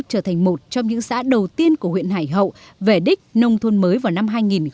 trở thành một trong những xã đầu tiên của huyện hải hậu về đích nông thôn mới vào năm hai nghìn một mươi năm